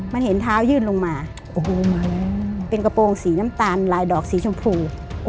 มันเห็นเท้ายื่นลงมาโอ้โหเป็นกระโปรงสีน้ำตาลลายดอกสีชมพู